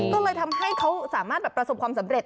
ก็เลยทำให้เขาสามารถประสบความสำเร็จ